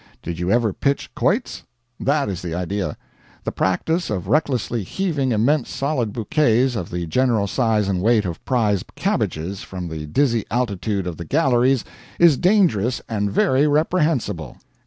Did you ever pitch quoits? that is the idea. The practice of recklessly heaving immense solid bouquets, of the general size and weight of prize cabbages, from the dizzy altitude of the galleries, is dangerous and very reprehensible.